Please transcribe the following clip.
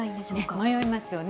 迷いますよね。